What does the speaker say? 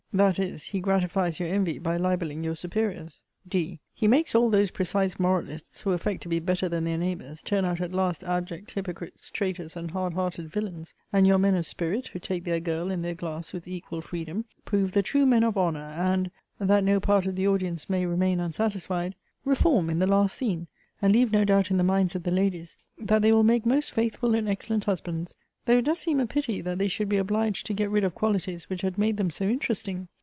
That is, he gratifies your envy by libelling your superiors. D. He makes all those precise moralists, who affect to be better than their neighbours, turn out at last abject hypocrites, traitors, and hard hearted villains; and your men of spirit, who take their girl and their glass with equal freedom, prove the true men of honour, and, (that no part of the audience may remain unsatisfied,) reform in the last scene, and leave no doubt in the minds of the ladies, that they will make most faithful and excellent husbands: though it does seem a pity, that they should be obliged to get rid of qualities which had made them so interesting!